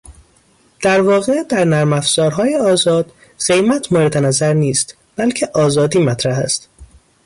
در واقع در نرم افزارهای آزاد قیمت مورد نظر نیست بلکه آزادی مطرح است.